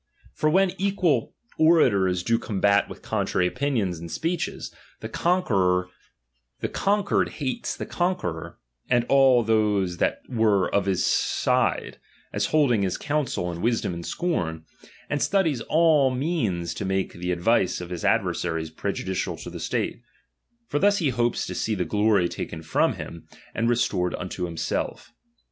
i^or when equal orators do combat with contrary opinions and speeches, the conquered hates the conqueror and all those that were of his side, as holding his council and wisdom in scorn, and studies all means to make the advice of his adversaries pre judicial to the state : for thus he hopes to see the glory taken from him, and restored unto himself.